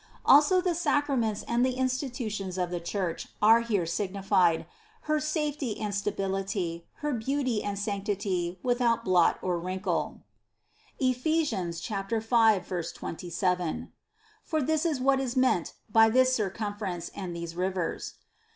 Also the Sacraments and the institutions of the Church are here signified, her safety and stability, her beauty and sanctity without blot or wrinkle (Eph. 5, 27), for this is what is meant by this circumference and these rivers.